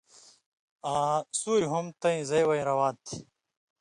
آں سُوریۡ ہُم تَیں زئ وَیں روان تھی،